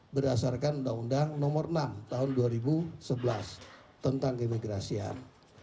berdasarkan undang undang nomor enam tahun dua ribu sebelas tentang keimigrasian